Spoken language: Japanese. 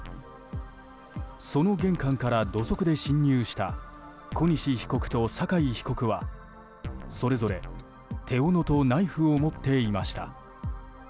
その玄関から土足で侵入した小西被告と酒井被告はそれぞれ手斧とナイフを持っていました。